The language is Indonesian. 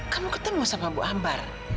kamu ketemu sama bu ambar